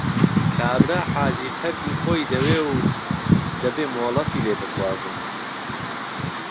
کابرا حاجی قەرزی خۆی دەوێ و دەبێ مۆڵەتی لێ بخوازن